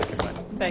はい。